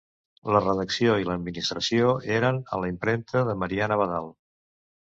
La redacció i l'administració eren a la impremta de Marian Abadal.